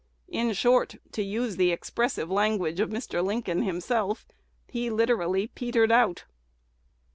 In short, to use the expressive language of Mr. Lincoln himself, he literally "petered out."